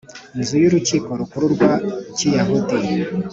nzu y Urukiko Rukuru rwa Kiyahudi